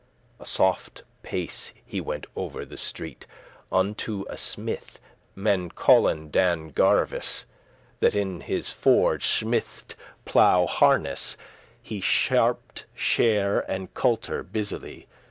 A softe pace he went over the street Unto a smith, men callen Dan* Gerveis, *master That in his forge smithed plough harness; He sharped share and culter busily.